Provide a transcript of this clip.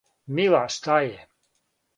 Мила, шта је?